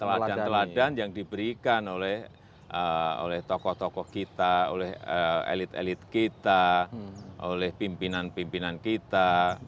teladan teladan yang diberikan oleh tokoh tokoh kita oleh elit elit kita oleh pimpinan pimpinan kita